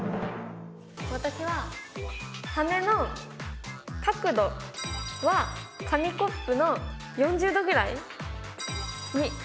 私は羽の角度は紙コップの４０度ぐらいにしたいと思います。